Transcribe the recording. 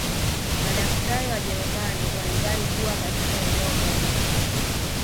Madaktari Wajerumani walidai kuwa katika eneo moja